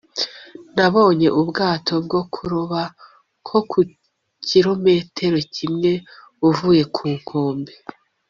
nabonye ubwato bwo kuroba nko ku kirometero kimwe uvuye ku nkombe.